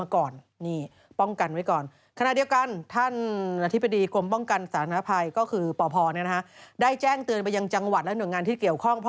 ขณะเดียวกันท่านนะธิพดีกรมป้องกันสารณภัยก็คือปพได้แจ้งตื่นไปยังจังหวัดและเหนืองานที่เกี่ยวข้อง